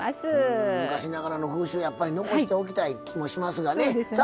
昔ながらの風習やっぱり残しておきたい気もしますがね。